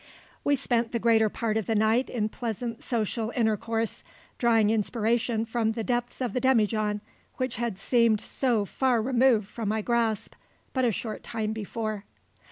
We spent the greater part of the night in pleasant social intercourse, drawing inspiration from the depths of the demijohn, which had seemed so far removed from my grasp but a short time before.